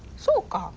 そうか。